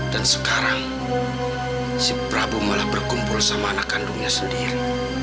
dan sekarang si prabu malah berkumpul sama anak kandungnya sendiri